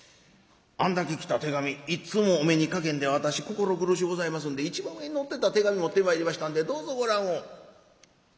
あんだけ来た手紙１通もお目にかけんでは私心苦しゅうございますんで一番上にのってた手紙持ってまいりましたんでどうぞご覧を」。